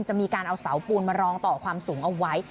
จะเอาเสาปูนมารองต่อความสูงเอาไว้